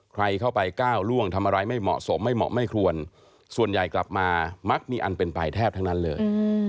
ใครเข้าไปก้าวล่วงทำอะไรไม่เหมาะสมไม่เหมาะไม่ควรส่วนใหญ่กลับมามักมีอันเป็นไปแทบทั้งนั้นเลย